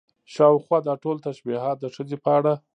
شاوخوا دا ټول تشبيهات د ښځې په اړه